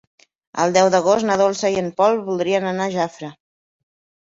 El deu d'agost na Dolça i en Pol voldrien anar a Jafre.